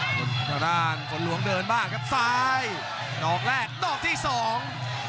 คุณทางด้านฝนหลวงเดินบ้างครับซ้ายดอกแรกดอกที่สอง